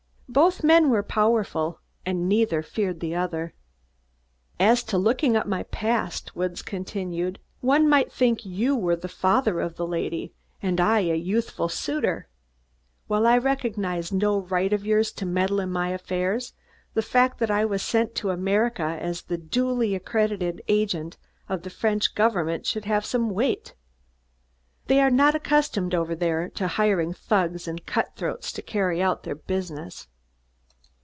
Both men were powerful, and neither feared the other. "As to looking up my past," Woods continued, "one might think you were the father of the lady and I a youthful suitor. While I recognize no right of yours to meddle in my affairs, the fact that I was sent to America as the duly accredited agent of the French Government should have some weight. They are not accustomed over there to hiring thugs and cutthroats to carry on their business."